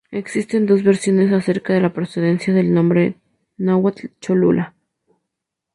Existen dos versiones acerca de la procedencia del nombre náhuatl "Cholula".